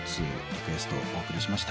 リクエストお送りしました。